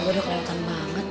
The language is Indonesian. udah kelewatan banget